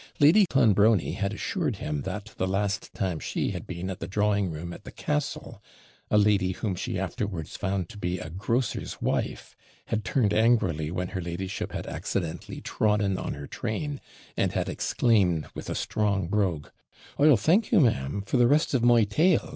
Lady Clonbrony had assured him that, the last time she had been at the drawing room at the Castle, a lady, whom she afterwards found to be a grocer's wife, had turned angrily when her ladyship had accidentally trodden on her train, and had exclaimed with a strong brogue, 'I'll thank you, ma'am, for the rest of my tail.'